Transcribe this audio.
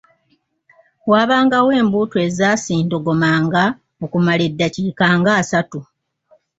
Waabangawo embuutu ezaasindogomanga okumala eddakiika ng’asatu.